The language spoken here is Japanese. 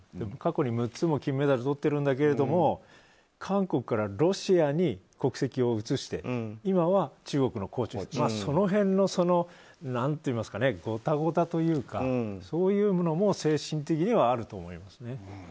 過去に６つも金メダルとっているんだけれども韓国からロシアに国籍を移して今は中国のコーチをやっていてその辺のごたごたというかそういうのも精神的にはあると思います。